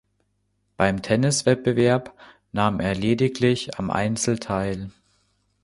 Beim Tenniswettbewerb nahm er lediglich am Einzel teil.